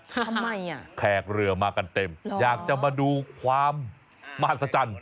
ทำไมอ่ะแขกเรือมากันเต็มอยากจะมาดูความมหัศจรรย์